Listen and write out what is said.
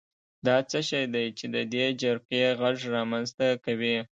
دا څه شی دی چې د دې جرقې غږ رامنځته کوي؟